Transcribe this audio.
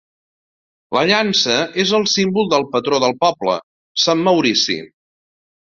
La llança és el símbol del patró del poble, Sant Maurici.